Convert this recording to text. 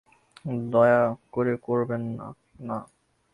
দয়াকরে করবেন না, না।